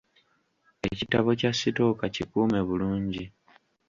Ekitabo kya sitooka kikuume bulungi.